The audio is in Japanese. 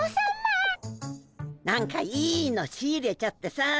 何かいいの仕入れちゃってさ。